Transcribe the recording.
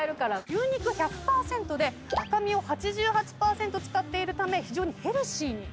牛肉１００％で赤身を８８％使っているため非常にヘルシーに。